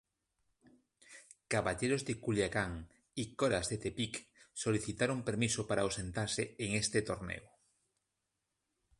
Caballeros de Culiacán y Coras de Tepic solicitaron permiso para ausentarse en este torneo.